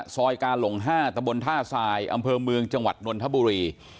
ซอยกาหลง๕ตะบนท่าทรายอำเภอเมืองจังหวัดนนทบุรี